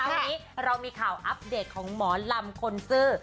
เราทีนี้มีข่าวอัพเดทิตย์ของหมอลำโคอนซื่อ